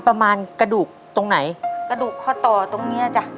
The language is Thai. กระดูกตรงไหนกระดูกข้อต่อตรงเนี้ยจ้ะ